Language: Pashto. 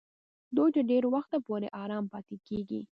دوی تر ډېر وخت پورې آرام پاتېږي.